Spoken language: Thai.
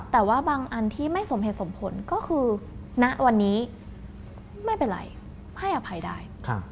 แต่ว่าบางอันที่ไม่สมเหตุสมผลก็คือณวันนี้ไม่เป็นไรให้อภัยได้